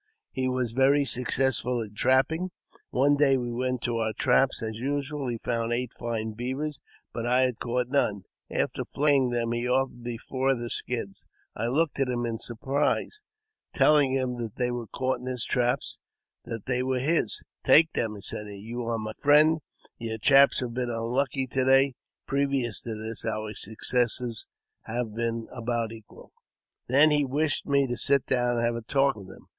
He was very successful in trapping. One day we went to our traps as usual; he found eight fine leavers, but I had caught none. After flaying them, he offered me four of the skins. I look at him in surprise, teUing 140 AUTOBIOGBAPHY OF him that they were caught in his traps — that they were his, " Take them," said he ;'' you are my friend : your traps have been unlucky to day." Previous to this, our success had been about equal. Then he wished me to sit down and have a talk with him.